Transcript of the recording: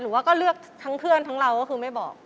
ว่าก็เลือกทั้งเพื่อนทั้งเราก็คือไม่บอก